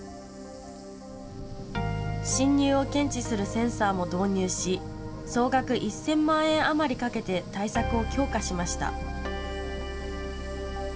侵入を検知するセンサーも導入し総額１０００万円余りかけて対策を強化しました。